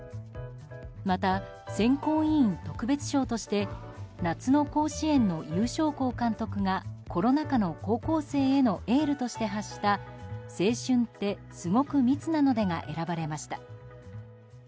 また、選考委員特別賞として夏の甲子園の優勝校監督がコロナ禍の高校生へのエールとして発した「青春って、すごく密なので」が選ばれました。